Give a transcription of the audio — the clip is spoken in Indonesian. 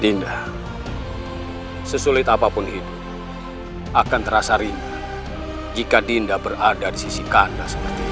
dinda sesulit apapun hidup akan terasa rindu jika dinda berada di sisi kakanda seperti ini